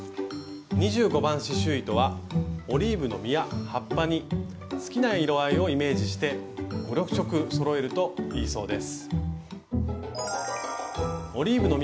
２５番刺しゅう糸はオリーブの実や葉っぱに好きな色合いをイメージして５６色そろえるといいそうです。